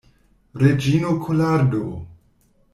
Reĝino Kolardo!